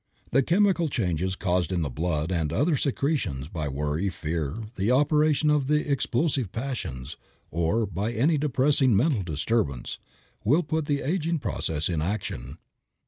The chemical changes caused in the blood and other secretions by worry, fear, the operation of the explosive passions, or by any depressing mental disturbance, will put the aging processes in action.